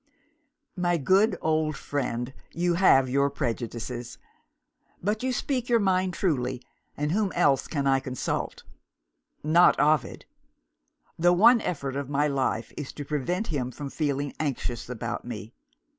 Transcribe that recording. "My good old friend, you have your prejudices. But you speak your mind truly and whom else can I consult? Not Ovid! The one effort of my life is to prevent him from feeling anxious about me.